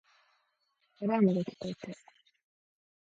アラームが聞こえた